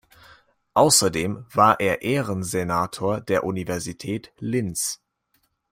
Außerdem war er Ehrensenator der Universität Linz.